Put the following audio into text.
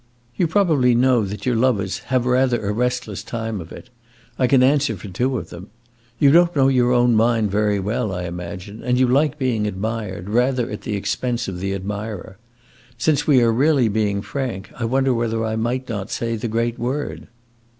You probably know that your lovers have rather a restless time of it. I can answer for two of them. You don't know your own mind very well, I imagine, and you like being admired, rather at the expense of the admirer. Since we are really being frank, I wonder whether I might not say the great word."